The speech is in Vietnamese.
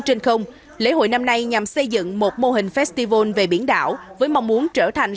trên không lễ hội năm nay nhằm xây dựng một mô hình festival về biển đảo với mong muốn trở thành